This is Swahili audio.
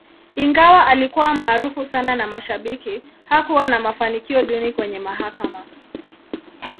Ingawa alikuwa maarufu sana na mashabiki, hakuwa na mafanikio duni kwenye mahakama.